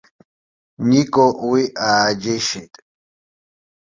Нико уи ааџьеишьеит.